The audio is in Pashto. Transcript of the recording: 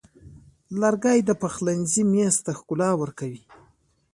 لرګی د پخلنځي میز ته ښکلا ورکوي.